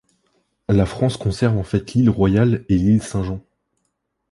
La France conserve en fait l'île Royale et l'île Saint-Jean.